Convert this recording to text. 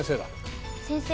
先生。